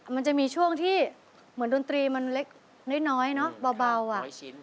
มันจะมีช่วงที่เหมือนดนตรีมันเล็กน้อยเนอะเบาอ่ะ